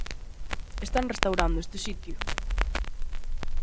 Están restaurando este sitio.